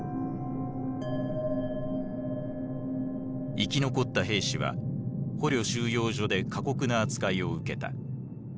生き残った兵士は捕虜収容所で過酷な扱いを受けた。